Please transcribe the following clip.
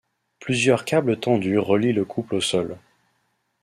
Plusieurs câbles tendus relient le couple au sol.